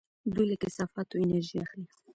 دوی له کثافاتو انرژي اخلي.